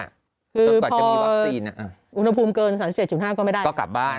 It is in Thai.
จนกว่าจะมีวัคซีนอุณหภูมิเกิน๓๗๕ก็ไม่ได้ก็กลับบ้าน